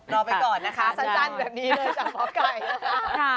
รอไปก่อนนะคะสั้นแบบนี้เลยจั๊บหากล่ายนะคะ